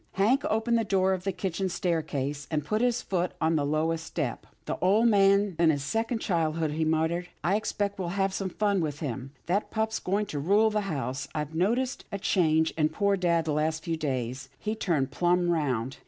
Hank opened the door of the kitchen staircase, and put his foot on the lowest step. " The old man's in his second childhood," he muttered. " I expect we'll have some fun with him. That pup's going to rule the house. I've noticed a change in poor dad the last few days. He's turned plumb round.